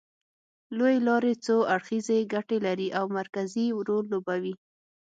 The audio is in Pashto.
لوېې لارې څو اړخیزې ګټې لري او مرکزي رول لوبوي